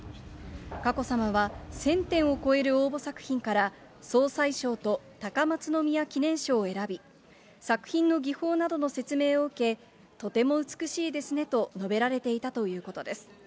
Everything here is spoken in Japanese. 佳子さまは、１０００点を超える応募作品から、総裁賞と高松宮記念賞を選び、作品の技法などの説明を受け、とても美しいですねと述べられていたということです。